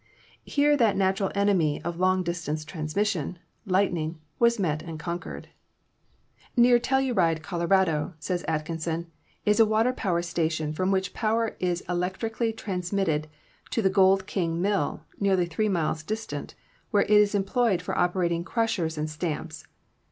Here that natural enemy of long distance transmission — lightning — was met and conquered. POWER TRANSMISSION 217 "Near Telluride, Colorado," says Atkinson, "is a water power station from which power is electrically transmit ted to the Gold King mill, nearly three miles distant, where it is employed for operating crushers and stamps.